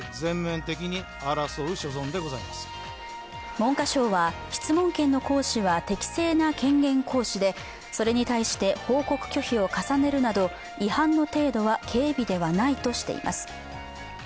文科省は質問権の行使は適正な権限行使で、それに対して報告拒否を重ねるなど違反の程度は軽微ではないとしています。